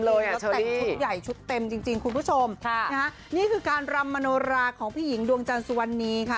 แล้วแต่งชุดใหญ่ชุดเต็มจริงคุณผู้ชมนี่คือการรำมโนราของพี่หญิงดวงจันทร์สุวรรณีค่ะ